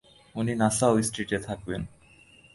উনি নাসাউ স্ট্রিটে থাকবেন।